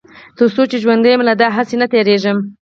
تر څو چې ژوندی يم له دې هڅې نه تېرېږم.